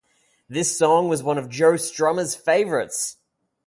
This song was one of Joe Strummer's favourites.